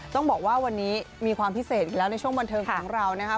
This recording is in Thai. ต้องบอกว่าวันนี้มีความพิเศษอยู่แล้วในช่วงบันเทิงของเรานะครับ